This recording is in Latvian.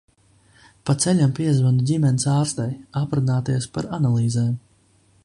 Pa ceļam piezvanu ģimenes ārstei, aprunāties par analīzēm.